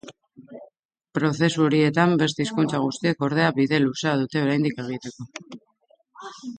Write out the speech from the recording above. Prozesu horietan; beste hizkuntza guztiek, ordea, bide luzea dute oraindik egiteko.